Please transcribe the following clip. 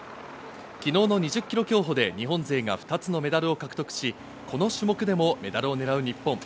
昨日の２０ｋｍ競歩で日本勢が２つのメダルを獲得し、この種目でもメダルを狙う日本。